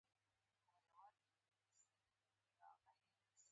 ما ورته وویل: د جګړې په اړه بحث مه کوه.